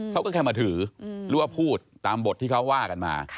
เขาก็แค่มาถือหรือว่าพูดตามบทที่เขาว่ากันมา